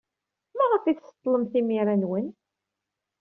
Maɣef ay tseḍḍlem timira-nwen?